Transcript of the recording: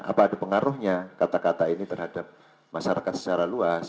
apa ada pengaruhnya kata kata ini terhadap masyarakat secara luas